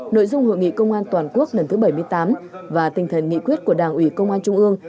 nội dung hội nghị công an toàn quốc lần thứ bảy mươi tám và tinh thần nghị quyết của đảng ủy công an trung ương